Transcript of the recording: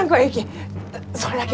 それだけは。